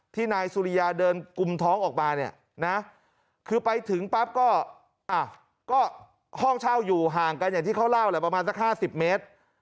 นายสุริยาเดินกุมท้องออกมาเนี่ยนะคือไปถึงปั๊บก็อ่ะก็ห้องเช่าอยู่ห่างกันอย่างที่เขาเล่าแหละประมาณสัก๕๐เมตร